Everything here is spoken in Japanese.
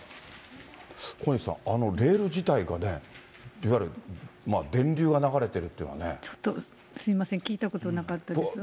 小西さん、あのレール自体がね、いわゆるまあ、ちょっとすみません、聞いたことなかったです。